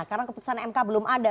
karena keputusan mk belum ada